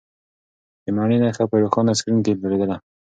د مڼې نښه په روښانه سکرین کې ځلېدله.